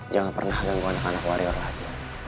jangan pernah ganggu anak anak warrior lagi